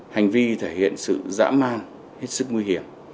hành vi thể hiện sự dã man hết sức nguy hiểm